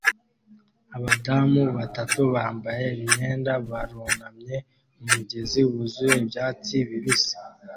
Abadamu batatu bambaye imyenda barunamye mu mugezi wuzuye ibyatsi bibisi